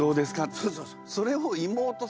そうそうそう。